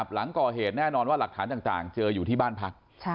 หลังก่อเหตุแน่นอนว่าหลักฐานต่างเจออยู่ที่บ้านพัก